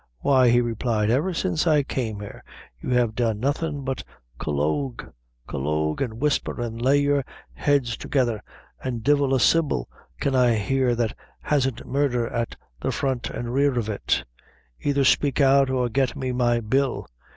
"Why," he replied, "ever since I came here, you have done nothing but collogue collogue an' whisper, an' lay your heads together, an' divil a syllable can I hear that hasn't murdher at the front an' rear of it either spake out, or get me my bill.